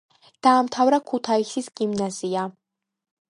დაამთავრა ქუთაისის გიმნაზია.